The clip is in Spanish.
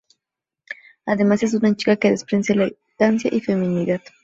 Además es una chica que desprende elegancia y feminidad.